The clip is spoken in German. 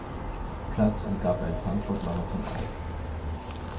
Platz und gab beim Frankfurt-Marathon auf.